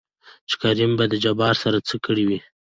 چې کريم به د جبار سره څه کړې وي؟